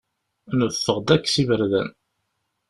Neffeɣ-d akk s iberdan.